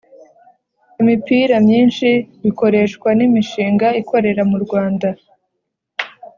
imipira myinshi bikoreshwa n’imishinga ikorera mu Rwanda